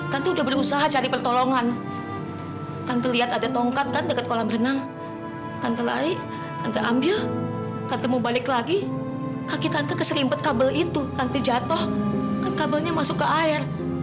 tante udah berusaha cari pertolongan tante lihat ada tongkat kan dekat kolam renang tante lari tante ambil balik lagi kaki tante keserimpet kabel itu nanti jatuh kan kabelnya masuk ke air